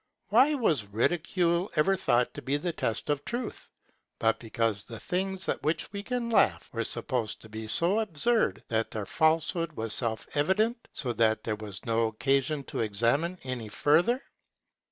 Why was ridicule ever thought to be the test of truth, but because the things at which we can laugh were supposed to be so absurd, that their falsehood was self evident; so that there was no occasion to examine any further?